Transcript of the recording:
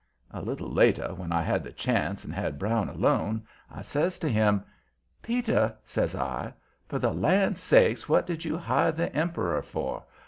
A little later, when I had the chance and had Brown alone, I says to him: "Peter," says I, "for the land sakes what did you hire the emperor for?